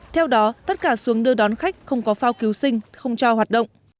theo đó tất cả xuống đưa đón khách không có phao cứu sinh không cho hoạt động